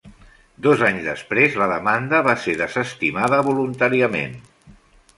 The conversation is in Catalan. Dos anys després, la demanda va ser desestimada voluntàriament.